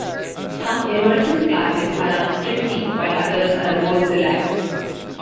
Some Emerson classes are run strictly while others are more relaxed.